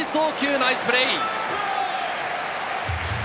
ナイスプレー！